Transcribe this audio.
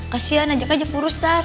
kasihan ajak ajak urus tar